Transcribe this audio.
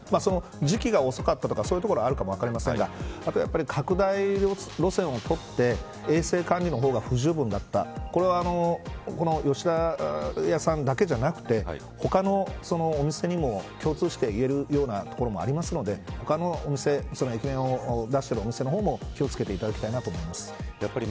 時期が遅かったところもあるかもしれませんが拡大路線を取って衛生管理の方が不十分だったこれは吉田屋さんだけではなくて他のお店にも共通して言えるようなところもあるので他の店、駅弁を出しているお店の方も気を付けていただきたいと思います。